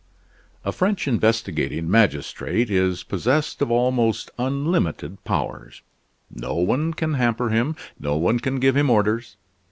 A French investigating magistrate is possessed of almost unlimited powers. No one can hamper him, no one can give him orders.